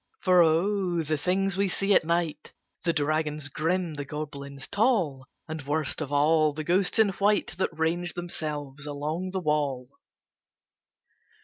For O! the things we see at night The dragons grim, the goblins tall, And, worst of all, the ghosts in white That range themselves along the wall!